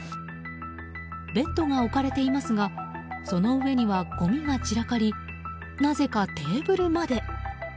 ベッドが置かれていますがその上には、ごみが散らかりなぜかテーブルまで。